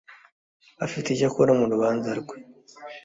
Afite icyo akora murubanza rwe